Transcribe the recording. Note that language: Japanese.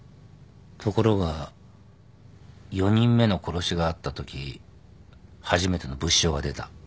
ところが４人目の殺しがあったとき初めての物証が出た。